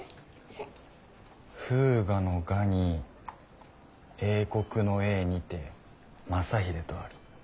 「風雅の『雅』に英国の『英』にて『雅英』」とある。